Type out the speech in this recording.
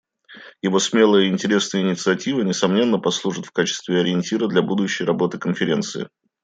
Его смелая и интересная инициатива, несомненно, послужит в качестве ориентира для будущей работы Конференции.